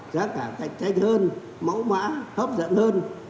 giá cả cạnh tranh hơn mẫu mã hấp dẫn hơn